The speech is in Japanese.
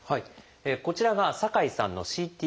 こちらが酒井さんのＣＴ画像です。